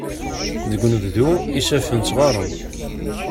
Deg unebdu isaffen ttɣaren.